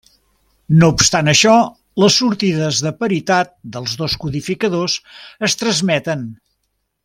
No obstant això, les sortides de paritat dels dos codificadors es transmeten.